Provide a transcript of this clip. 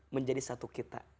menjadi satu kita